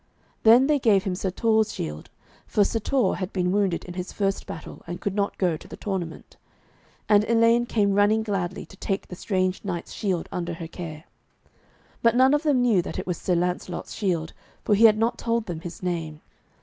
Then they gave him Sir Torre's shield, for Sir Torre had been wounded in his first battle, and could not go to the tournament. And Elaine came running gladly to take the strange knight's shield under her care. But none of them knew that it was Sir Lancelot's shield, for he had not told them his name.